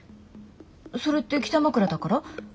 それって北枕だから？